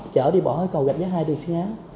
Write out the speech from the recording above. thôi cậu gặp với hai đường xe